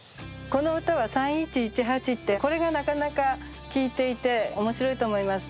この歌は「三一一八」ってこれがなかなか効いていて面白いと思います。